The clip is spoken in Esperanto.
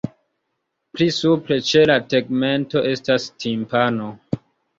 Pli supre ĉe la tegmento estas timpano.